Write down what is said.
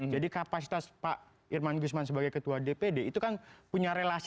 kapasitas pak irman gusman sebagai ketua dpd itu kan punya relasi